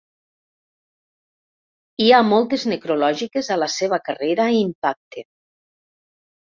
Hi ha moltes necrològiques a la seva carrera i impacte.